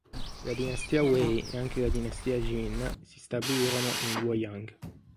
La dinastia Wei e anche la dinastia Jìn si stabilirono in Luoyang.